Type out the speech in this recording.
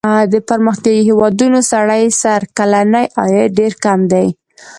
د پرمختیايي هېوادونو سړي سر کلنی عاید ډېر کم دی.